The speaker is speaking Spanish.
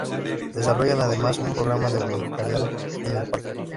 Desarrollan además un programa de voluntariado en el parque.